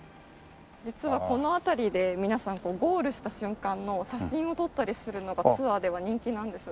実はこの辺りで皆さんゴールした瞬間の写真を撮ったりするのがツアーでは人気なんです。